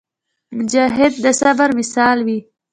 مجاهد د صبر مثال وي.